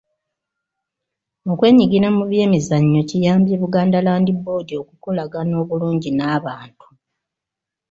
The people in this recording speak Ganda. Okwenyigira mu by'emizannyo kiyambye Buganda Land Board okukolagana obulungi n'abantu.